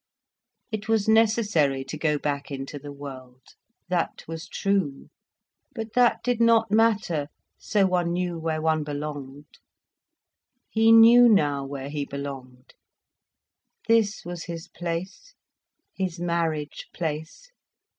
It was necessary to go back into the world. That was true. But that did not matter, so one knew where one belonged. He knew now where he belonged. This was his place, his marriage place.